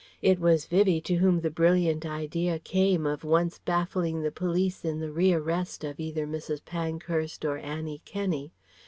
It was Vivie to whom the brilliant idea came of once baffling the police in the rearrest of either Mrs. Pankhurst or Annie Kenney.